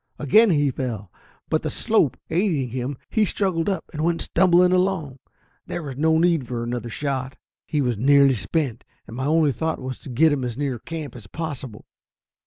Again he fell, but, the slope aiding him, he struggled up and went stumbling along. There was no need of another shot. He was nearly spent, and my only thought was to get him as near camp as possible.